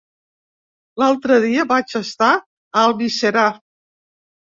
L'altre dia vaig estar a Almiserà.